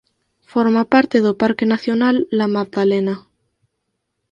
Forma parte do Parque Nacional La Maddalena.